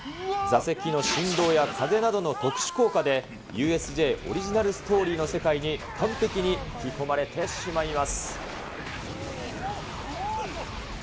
座席の振動や風などの特殊効果で、ＵＳＪオリジナルストーリーの世界に完璧に引き込まれてしまいます。